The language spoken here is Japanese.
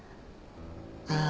ああ。